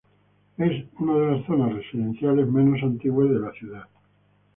Es una de las zonas residenciales menos antiguas de la ciudad.